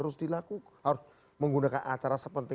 saya bukan calon